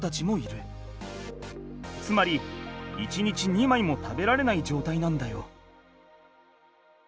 つまり１日２枚も食べられないじょうたいなんだよ。